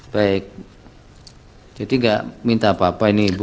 baik jadi nggak minta apa apa ini bu